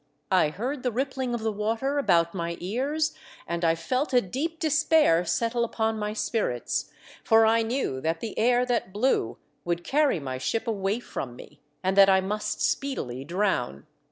I heard the rippling of the water about my ears, and I felt a deep despair settle upon my spirits, for I knew that the air that blew would carry my ship away from me and that I must speedily drown.